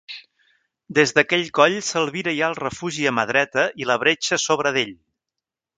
Des d'aquest coll s'albira ja el refugi a mà dreta i la bretxa sobre d'ell.